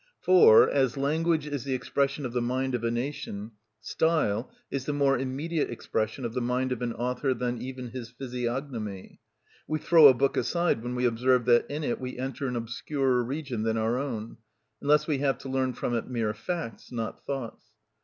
For, as language is the expression of the mind of a nation, style is the more immediate expression of the mind of an author than even his physiognomy. We throw a book aside when we observe that in it we enter an obscurer region than our own, unless we have to learn from it mere facts, not thoughts.